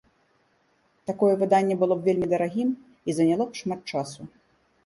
Такое выданне было б вельмі дарагім і заняло б шмат часу.